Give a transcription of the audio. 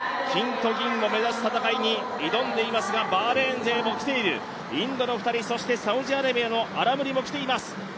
その世界の舞台を経験してまたこのアジアの舞台、金と銀を目指す戦いに挑んでいますが、バーレーン勢も来ているインドの２人、サウジアラビアのアラムリも来ています。